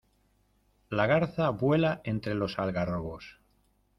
La garza vuela entre los algarrobos.